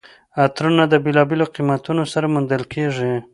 عطرونه د بېلابېلو قیمتونو سره موندل کیږي.